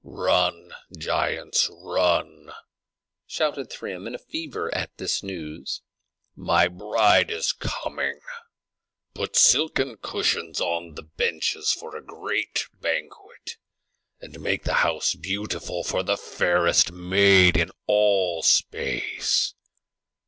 "Run, giants, run!" shouted Thrym, in a fever at this news. "My bride is coming! Put silken cushions on the benches for a great banquet, and make the house beautiful for the fairest maid in all space!